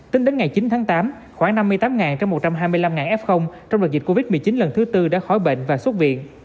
tính đến ngày chín tháng tám khoảng năm mươi tám trong một trăm hai mươi năm f trong đợt dịch covid một mươi chín lần thứ tư đã khỏi bệnh và xuất viện